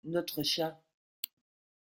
Notre chat.